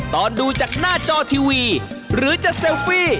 ตอนดูจากหน้าจอทีวีหรือจะเซลฟี่